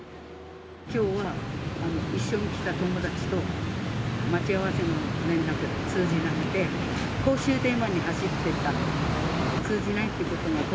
きょうは、一緒に来た友達と、待ち合わせの連絡が通じなくて、公衆電話に走っていったんですけど。